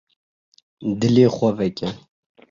Dilê xwe veke.